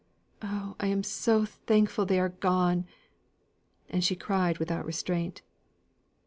Oh, I am so thankful they are gone!" And she cried without restraint.